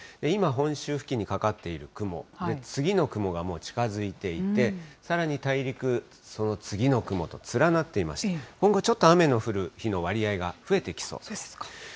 今、本州付近にかかっている雲、次の雲がもう近づいていて、さらに大陸、その次の雲と連なっていまして、今後、ちょっと雨の降る日の割合が増えてきそうです。